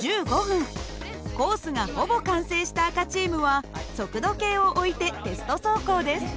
コースがほぼ完成した赤チームは速度計を置いてテスト走行です。